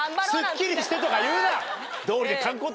スッキリしてとか言うな道理で。